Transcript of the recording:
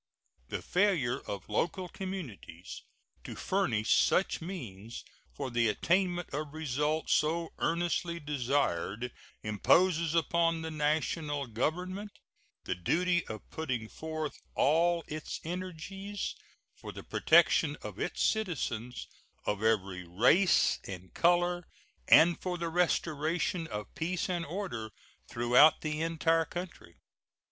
The failure of local communities to furnish such means for the attainment of results so earnestly desired imposes upon the National Government the duty of putting forth all its energies for the protection of its citizens of every race and color and for the restoration of peace and order throughout the entire country.